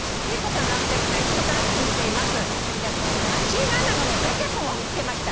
「チンアナゴのガチャポンを見つけました」